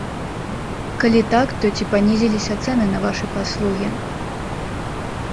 Калі так, то ці панізіліся цэны на вашы паслугі?